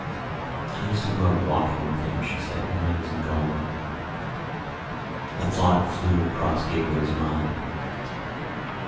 "I used to go out walking with him," she said, "when I was in Galway." A thought flew across Gabriel's mind.